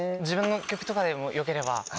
自分の曲とかでもよければ。